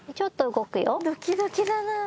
ドキドキだな。